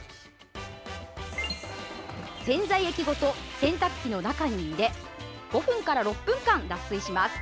洗剤液ごと洗濯機の中に入れ５６分間脱水します。